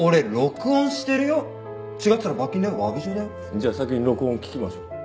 じゃあ先に録音を聞きましょう。